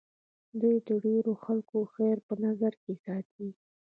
دوی د ډېرو خلکو خیر په نظر کې ساتي.